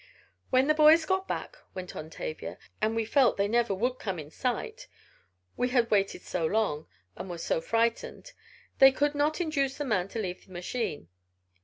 "When the boys got back," went on Tavia, "and we felt they never would come in sight, we had waited so long, and were so frightened, they could not induce the man to leave the machine.